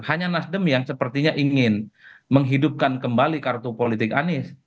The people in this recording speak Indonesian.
hanya nasdem yang sepertinya ingin menghidupkan kembali kartu politik anies